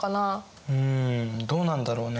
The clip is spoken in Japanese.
うんどうなんだろうね？